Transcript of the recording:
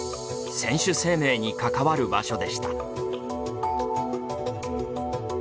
選手生命に関わる場所でした。